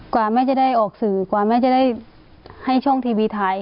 กว่าแม่จะได้ออกสื่อกว่าแม่จะได้ให้ช่องทีวีไทย